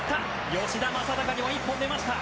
吉田正尚にも１本出ました。